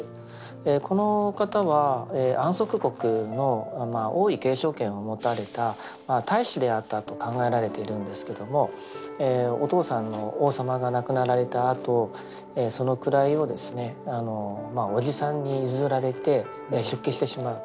この方は安息国の王位継承権を持たれた太子であったと考えられているんですけどもお父さんの王様が亡くなられたあとその位をですねおじさんに譲られて出家してしまうと。